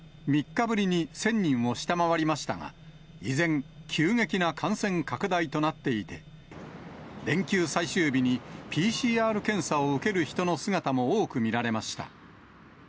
３日ぶりに１０００人を下回りましたが、依然、急激な感染拡大となっていて、連休最終日にＰＣＲ検査を受ける人の姿も多く見られました。